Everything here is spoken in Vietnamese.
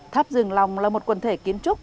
tháp dương long là một quần thể kiến trúc